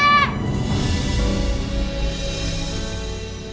mama aku pasti ke sini